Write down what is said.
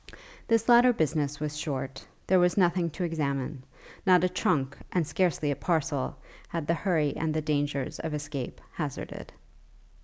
This latter business was short; there was nothing to examine: not a trunk, and scarcely a parcel, had the hurry and the dangers of escape hazarded.